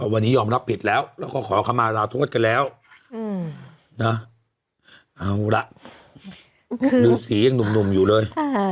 วันนี้ยอมรับผิดแล้วแล้วก็ขอคำมาลาโทษกันแล้วนะเอาละฤษียังหนุ่มอยู่เลย